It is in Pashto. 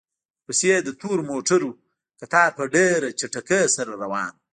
ورپسې د تورو موټرو کتار په ډېرې چټکۍ سره روان و.